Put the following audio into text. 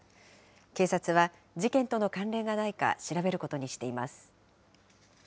警察は、事件との関連がないか調べることにしています。